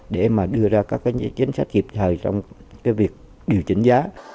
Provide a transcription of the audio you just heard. để mà đưa ra các cái chính sách kịp thời trong cái việc điều chỉnh giá